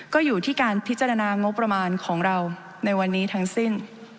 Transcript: ก็อยู่ที่การพิจารณางบประมาณของเราในวันนี้ทั้งสิ้น